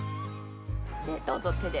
どうぞ手で。